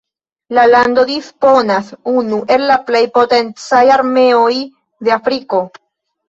La lando disponas unu el la plej potencaj armeoj de Afriko.